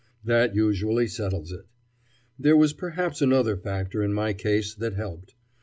That usually settles it. There was perhaps another factor in my case that helped.